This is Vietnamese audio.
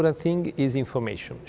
và chúng tôi như uu